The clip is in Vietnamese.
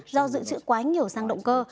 do dự trữ quá nhiều xăng động cơ